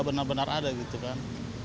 benar benar ada gitu kan